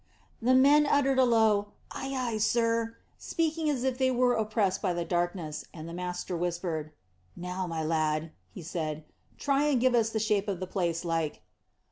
The men uttered a low, "Ay, ay, sir," speaking as if they were oppressed by the darkness, and the master whispered. "Now, my lad," he said, "try and give us the shape of the place like."